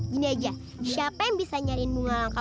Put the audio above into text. gini aja siapa yang bisa nyariin bunga langka